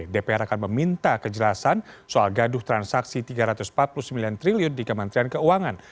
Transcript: dpr akan meminta kejelasan soal gaduh transaksi rp tiga ratus empat puluh sembilan triliun di kementerian keuangan